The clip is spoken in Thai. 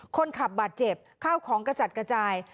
คนขับบาดเจ็บข้าวของกระจัดกระจาย